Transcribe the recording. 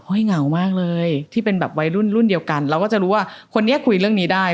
เหงามากเลยที่เป็นแบบวัยรุ่นรุ่นเดียวกันเราก็จะรู้ว่าคนนี้คุยเรื่องนี้ได้